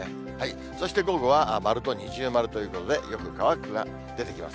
そして午後は丸と二重丸ということで、よく乾くが出てきます。